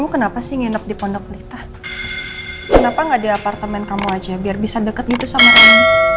kenapa gak di apartemen kamu aja biar bisa deket gitu sama rian